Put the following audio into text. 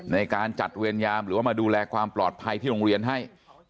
ในการจัดเวรยามหรือว่ามาดูแลความปลอดภัยที่โรงเรียนให้